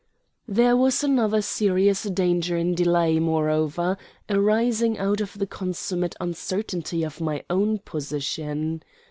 There was another serious danger in delay, moreover, arising out of the consummate uncertainty of my own position.